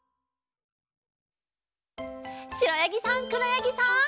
しろやぎさんくろやぎさん。